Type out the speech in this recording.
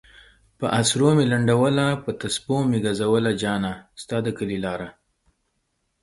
پہ اسرو میی لنڈولہ پہ تسپو میی گزولہ جانہ! ستا د کلی لارہ